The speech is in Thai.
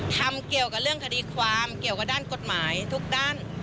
ทำเกี่ยวกับเรื่องคดีความเกี่ยวกับด้านกฎหมายทุกด้าน